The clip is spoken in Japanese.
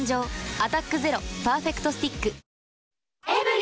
「アタックＺＥＲＯパーフェクトスティック」